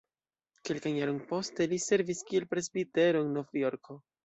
Kelkajn jarojn poste li servis kiel presbitero en Novjorko.